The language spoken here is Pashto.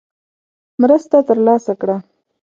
مرسته ترلاسه کړه.